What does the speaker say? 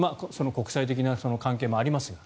国際的な関係もありますが。